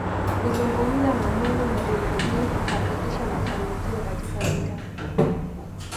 Kuzungumza na Mungu na unabii kuhakikisha mafanikio katika vita